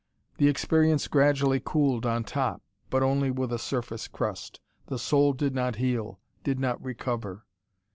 The experience gradually cooled on top: but only with a surface crust. The soul did not heal, did not recover.